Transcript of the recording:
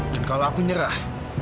dan kalau aku nyerah